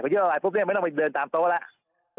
ผู้ช่วยเวลาหลายตรงนี้ไม่ต้องไปโดนตามโต๊ะล่ะ